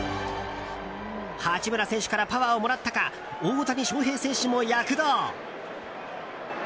八村選手からパワーをもらったか大谷翔平選手も躍動。